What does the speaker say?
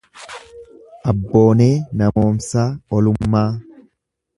Abboonee Namoomsaa Olummaa